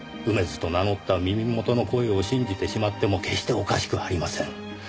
梅津と名乗った耳元の声を信じてしまっても決しておかしくはありません。